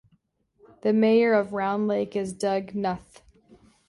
The mayor of Round Lake is Doug Knuth.